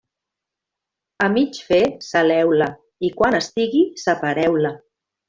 A mig fer, saleu-la, i quan estigui separeu-la.